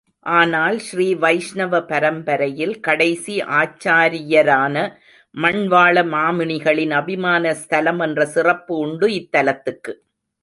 ஆனால் ஸ்ரீ வைஷ்ணவ பரம்பரையில் கடைசி ஆச்சாரியரான மண்வாள மாமுனிகளின் அபிமான ஸ்தலம் என்ற சிறப்பு உண்டு இத்தலத்துக்கு.